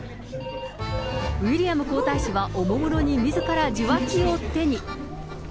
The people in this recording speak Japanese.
ウィリアム皇太子はおもむろにみずから受話器を手に。